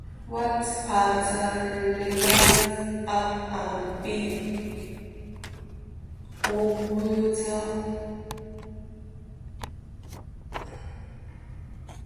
What are the lengths "a" and "b" of the sides of the rectangle?